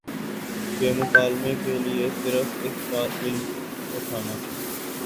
کہ مکالمے کے لیے صرف اس کا علم اٹھانا